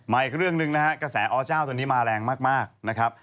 อีกเรื่องหนึ่งนะฮะกระแสอเจ้าตัวนี้มาแรงมากนะครับ